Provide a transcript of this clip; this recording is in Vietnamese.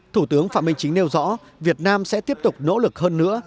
thủ tướng phạm minh chính nêu rõ việt nam sẽ tiếp tục nỗ lực hơn nữa